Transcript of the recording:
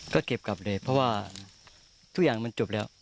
ก็เก็บกลับเลยเพราะว่าทุกอย่างมันจบแล้ว